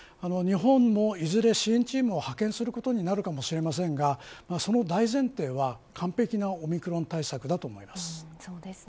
日本もいずれ支援チームを派遣することになるかもしれませんがその大前提は、完璧なオミクロン対策だと思います。